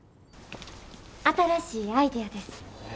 新しいアイデアです。